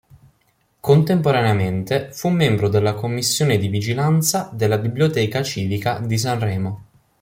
Contemporaneamente fu membro della Commissione di vigilanza della Biblioteca civica di Sanremo.